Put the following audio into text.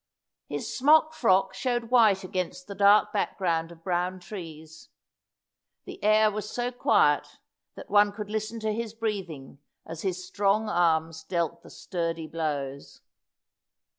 His smock frock showed white against the dark background of brown trees. The air was so quiet that one could listen to his breathing as his strong arms dealt the sturdy blows.